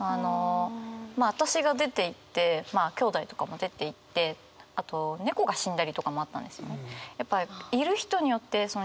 まあ私が出ていってまあきょうだいとかも出ていってあと猫が死んだりとかもあったんですよね。